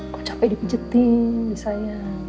kok capek dipijetin sayang